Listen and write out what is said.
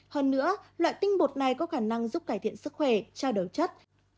hơn nữa loại tinh bột này có khả năng giúp cải thiện sức khỏe trao đầu chất